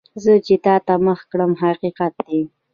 زه چې تا ته مخ کړم، حقیقت دی.